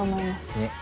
ねっ。